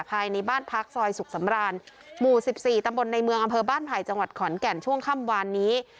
ภายในบ้านพักซอยสุขสำรานหมู่๑๔ตำบลในเมืองอำเภอบ้านไผ่จังหวัดขอนแก่นช่วงค่ำวานนี้